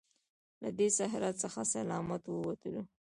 له دې صحرا څخه سلامت ووتلو.